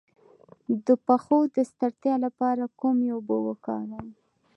د پښو د ستړیا لپاره کومې اوبه وکاروم؟